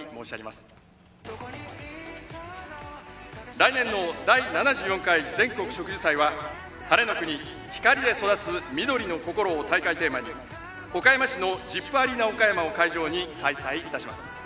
来年の第７４回全国植樹祭は「晴れの国光で育つ緑の心」を大会テーマに岡山市のジップアリーナ岡山を会場に開催いたします。